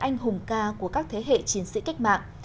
anh hùng ca của các thế hệ chiến sĩ cách mạng